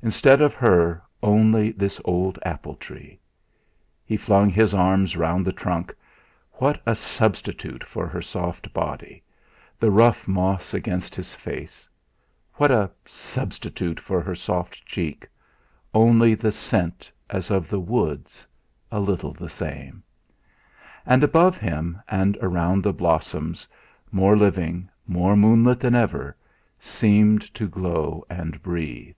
Instead of her, only this old apple tree! He flung his arms round the trunk. What a substitute for her soft body; the rough moss against his face what a substitute for her soft cheek; only the scent, as of the woods, a little the same! And above him, and around, the blossoms, more living, more moonlit than ever, seemed to glow and breathe.